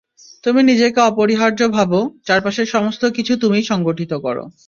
তুমি নিজেকে অপরিহার্য ভাবো, চারপাশের সমস্ত কিছু তুমিই সংগঠিত কর!